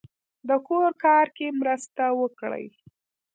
د کور کار کې مرسته وکړئ